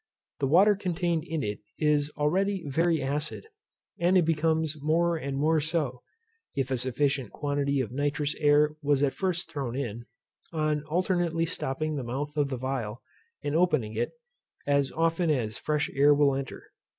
The water contained in it is already very acid, and it becomes more and more so (if a sufficient quantity of nitrous air was at first thrown in) on alternately stopping the mouth of the phial, and opening it, as often as fresh air will enter.